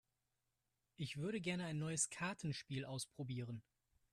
Ich würde gerne ein neues Kartenspiel ausprobieren.